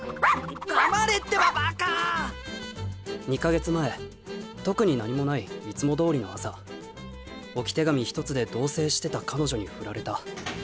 ２か月前特に何もないいつもどおりの朝置き手紙一つで同せいしてた彼女にフラれた。